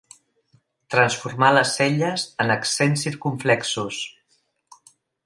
Transformar les celles en accents circumflexos.